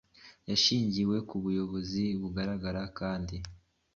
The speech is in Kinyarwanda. hashingiwe ku bushobozi agaragaza kandi